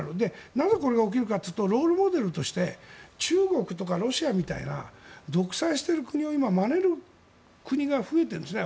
なぜこれが起きるかというとロールモデルとして中国とかロシアみたいな独裁している国を今、まねる国が増えているんですね。